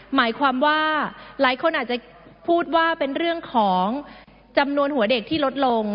หมายความว่าหลายคนอาจจะพูดว่าเป็นเรื่องของจำนวนหัวเด็กที่ลดลง